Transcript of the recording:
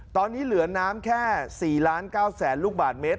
ตอนนี้เหลือน้ำแค่๔๙๐๐ลูกบาทเมตร